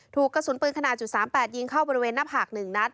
ถูกกระสุนปืนขนาด๓๘ยิงเข้าบริเวณหน้าผาก๑นัด